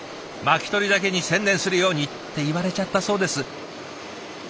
巻き取りだけに専念するように」って言われちゃったそうです。